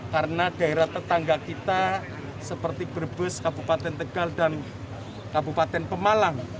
karena daerah tetangga kita seperti berbes kabupaten tegal dan kabupaten pemalang